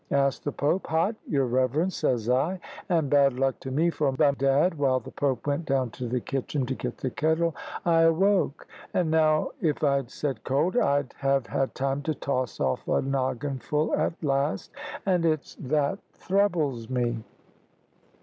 asked the Pope. "Hot, your reverence," says I, and bad luck to me, for by dad, while the Pope went down to the kitchen to get the kettle I awoke; and now, if I'd said cold, I'd have had time to toss off a noggin full at laste, and it's that throubles me.'